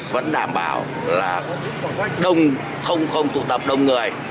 vẫn đảm bảo là không tụ tập đông người